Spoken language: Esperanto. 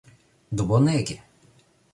Do bonege!